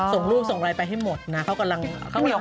ส่งรูปส่งรายไปให้หมดนะเขากำลังหาอยู่